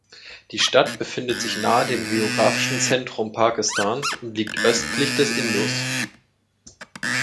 Die Stadt befindet sich nahe dem geografischen Zentrum Pakistans und liegt östlich des Indus.